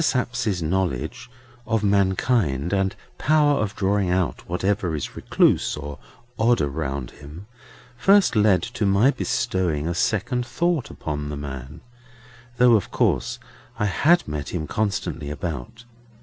Sapsea's knowledge of mankind and power of drawing out whatever is recluse or odd around him, first led to my bestowing a second thought upon the man: though of course I had met him constantly about.